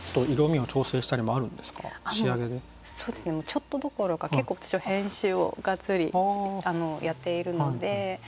ちょっとどころか結構私は編集をがっつりやっているので。